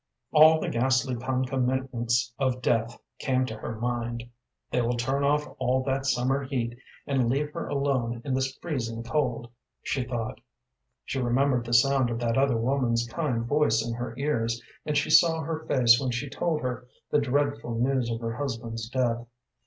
All the ghastly concomitants of death came to her mind. "They will turn off all that summer heat, and leave her alone in this freezing cold," she thought. She remembered the sound of that other woman's kind voice in her ears, and she saw her face when she told her the dreadful news of her husband's death.